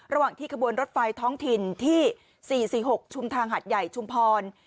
ระหว่างที่ขบวนรถไฟท้องถิ่นที่๔๔๖ชุมทางหัดใหญ่ชุมพร